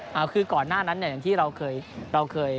หาวคือก่อนหน้านั้นที่เราเคย